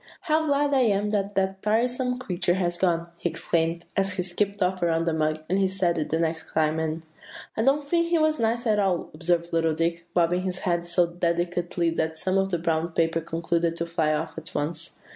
"'How glad I am that that tiresome creature has gone!' he exclaimed, as he skipped off around the mug. And he said it the next time, and" "I don't think he was nice at all," observed little Dick, bobbing his head so decidedly that some of the brown paper concluded to fly off at once.